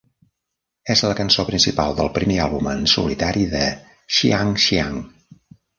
És la cançó principal del primer àlbum en solitari de Xiang Xiang.